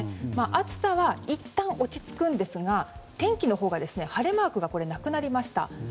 暑さはいったん落ち着きますが天気のほうが晴れマークがなくなりました。